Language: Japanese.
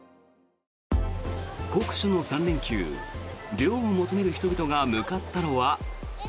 酷暑の３連休涼を求める人々が向かったのは。